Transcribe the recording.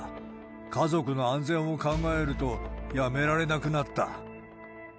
家族の安全を考えると、やめられなくなった。